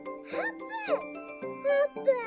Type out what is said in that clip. あーぷん！